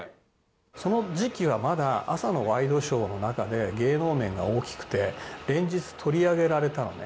その時期はまだ朝のワイドショーの中で芸能面が大きくて連日取り上げられたのね。